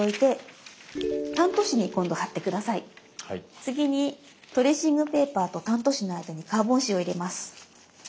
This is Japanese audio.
次にトレーシングペーパーとタント紙の間にカーボン紙を入れます。